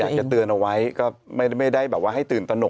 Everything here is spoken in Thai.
อยากจะเตือนเอาไว้ก็ไม่ได้แบบว่าให้ตื่นตนก